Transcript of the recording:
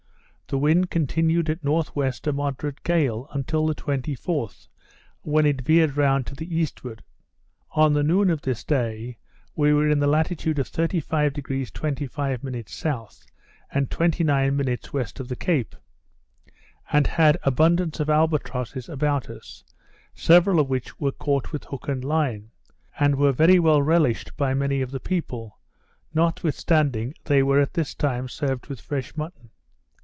The wind continued at N.W. a moderate gale, until the 24th, when it veered round to the eastward. On the noon of this day, we were in the latitude of 35° 25' S., and 29' west of the Cape; and had abundance of albatrosses about us, several of which were caught with hook and line; and were very well relished by many of the people, notwithstanding they were at this time served with fresh mutton.